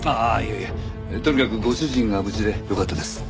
とにかくご主人が無事でよかったです。